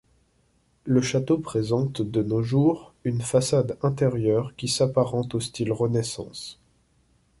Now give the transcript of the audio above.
Le château présente de nos jours, une façade intérieure qui s'apparente au style renaissance.